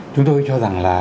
chúng tôi cho rằng là